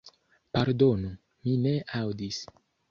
Pardonu, mi ne aŭdis.